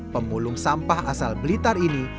pemulung sampah asal blitar ini